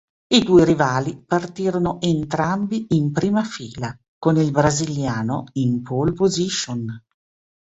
I due rivali partirono entrambi in prima fila, con il brasiliano in pole position.